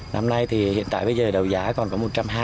năm nay thì hiện tại bây giờ đầu giá còn có một trăm hai mươi